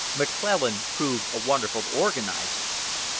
McClellan proved a wonderful organizer.